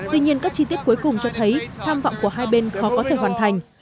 tuy nhiên các chi tiết cuối cùng cho thấy tham vọng của hai bên khó có thể hoàn thành